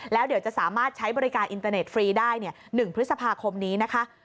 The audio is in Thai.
แล้วเดี๋ยวจะสามารถใช้บริการอินเตอร์เน็ตฟรีได้๑พฤษภาคมนี้นะคะ